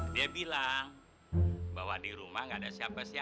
dia bilang bahwa di rumah nggak ada siapa siapa